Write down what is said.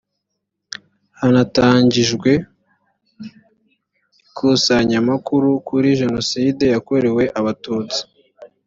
hanatangijwe ikusanyamakuru kuri jenocide yakorewe abatutsi